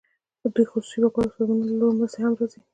د خصوصي وګړو او سازمانونو له لوري مرستې هم راځي.